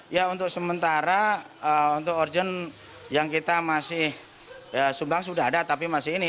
ya untuk sementara untuk urgent yang kita masih sumbang sudah ada tapi masih ini